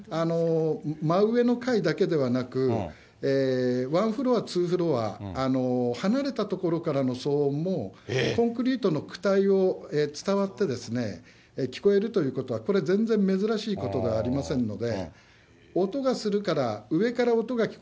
真上の階だけではなく、１フロア、２フロア離れた所からの騒音もコンクリートのくたいを伝わって聞こえるということは、これ、全然珍しいことではありませんので。